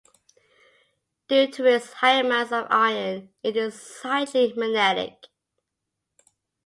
Due to its high amounts of iron, it is slightly magnetic.